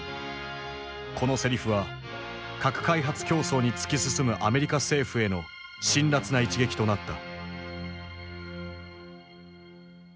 このセリフは核開発競争に突き進むアメリカ政府への辛辣な一撃となった。